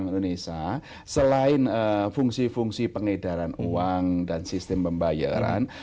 indonesia selain fungsi fungsi pengedaran uang dan sistem pembayaran